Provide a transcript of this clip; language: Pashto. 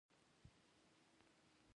زه ښوونکي ته درناوی لرم.